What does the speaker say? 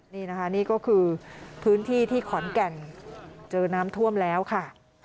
นี่นะคะนี่ก็คือพื้นที่ที่ขอนแก่นเจอน้ำท่วมแล้วค่ะ